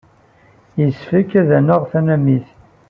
Yessefk ad naɣ tanamit.